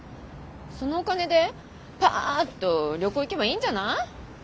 そのお金でパッと旅行行けばいいんじゃない？